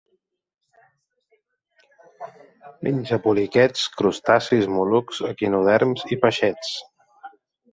Menja poliquets, crustacis, mol·luscs, equinoderms i peixets.